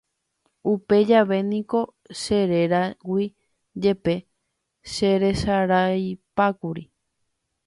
Upe jave niko che réragui jepe cheresaraipákuri.